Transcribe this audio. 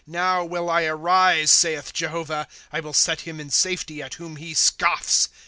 Now will I arise, sailh Jehovah ; I will set him in safety at whom he scoffs.